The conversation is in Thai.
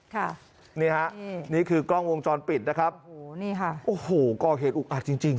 ค่ะนี่ฮะนี่คือกล้องวงจรปิดนะครับโอ้โหนี่ค่ะโอ้โหก่อเหตุอุกอัดจริงจริง